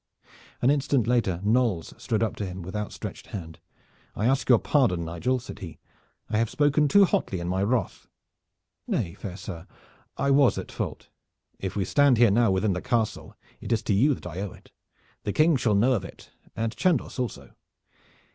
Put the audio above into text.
An instant later Knolles strode up to him with outstretched hand. "I ask your pardon, Nigel," said he. "I have spoken too hotly in my wrath." "Nay, fair sir, I was at fault." "If we stand here now within this castle, it is to you that I owe it. The King shall know of it, and Chandos also.